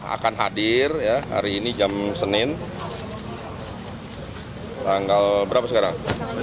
akan hadir hari ini jam senin tanggal berapa sekarang